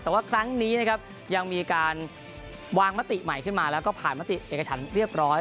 แต่ว่าครั้งนี้นะครับยังมีการวางมติใหม่ขึ้นมาแล้วก็ผ่านมติเอกชันเรียบร้อย